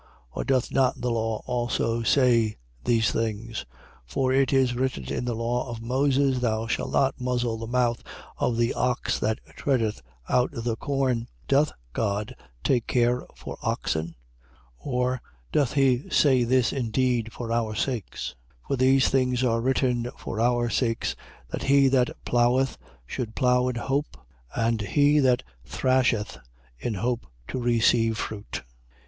Or doth not the law also say; these things? 9:9. For it is written in the law of Moses: Thou shalt not muzzle the mouth of the ox that treadeth out the corn. Doth God take care for oxen? 9:10. Or doth he say this indeed for our sakes? For these things are written for our sakes: that he that plougheth, should plough in hope and he that thrasheth, in hope to receive fruit.